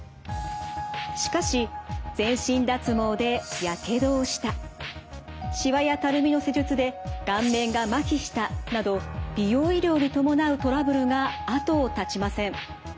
しかし全身脱毛でやけどをしたしわやたるみの施術で顔面がまひしたなど美容医療に伴うトラブルが後を絶ちません。